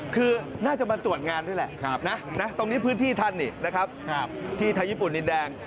คือน่าจะมาตรวจงานด้วยละตรงนี้พื้นที่ท่านที่ทายพรลินแดง